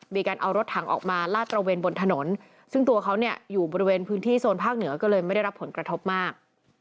มีการเอารถถังออกมาลาดตระเวนบนถนนซึ่งตัวเขาเนี่ยอยู่บริเวณพื้นที่โซนภาคเหนือก็เลยไม่ได้รับผลกระทบมาก